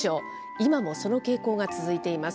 今もその傾向が続いています。